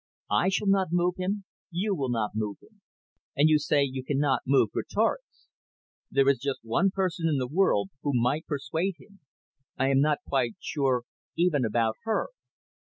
"I shall not move him, you will not move him. And you say you cannot move Greatorex. There is just one person in the world who might persuade him. I am not quite sure even about her."